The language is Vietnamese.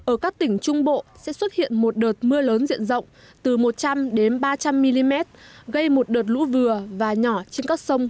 ở các tỉnh trung bộ sẽ xuất hiện một đợt mưa lớn diện rộng từ một trăm linh ba trăm linh mm gây một đợt lũ vừa và nhỏ trên các sông